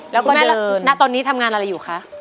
แล้วก็เดินคุณแม่ตอนนี้ทำงานอะไรอยู่คะ